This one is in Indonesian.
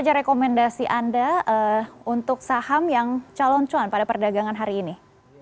apa saja rekomendasi anda untuk saham yang calon cuan pada perdagangan hari ini